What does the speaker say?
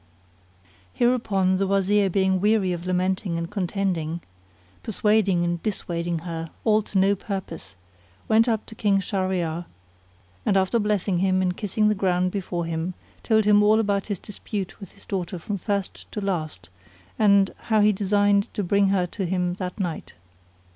Hereupon the Wazir being weary of lamenting and contending, persuading and dissuading her, all to no purpose, went up to King Shahryar and after blessing him and kissing the ground before him, told him all about his dispute with his daughter from first to last and how he designed to bring her to him that night.